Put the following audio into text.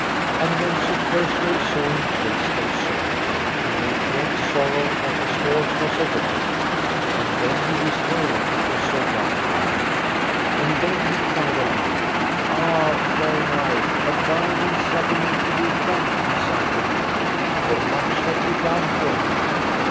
And when Sir Percivale saw him chase them so, he made great sorrow that his horse was away. And then he wist well it was Sir Galahad. And then he cried aloud: Ah fair knight, abide and suffer me to do thankings unto thee, for much have ye done for me.